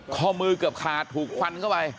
ข้อมือเกือบขาดถูกฟันเข้าไป